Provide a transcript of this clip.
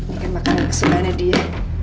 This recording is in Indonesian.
ini kan makanan kesukaannya dia